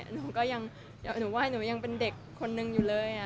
หนูก็ยังหนูว่าหนูยังเป็นเด็กคนนึงอยู่เลย